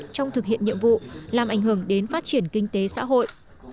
trong thực hiện nhiệm vụ làm ảnh hưởng đến phát triển kinh tế xã hội